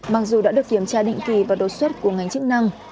mặc dù đã được kiểm tra định kỳ và đột xuất của ngành chức năng